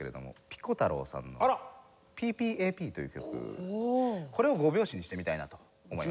ピコ太郎さんの『ＰＰＡＰ』という曲これを５拍子にしてみたいなと思います。